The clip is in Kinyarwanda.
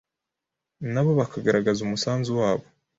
na bo bakagaragaza umusanzu wabo